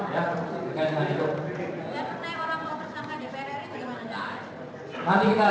yang bersama kita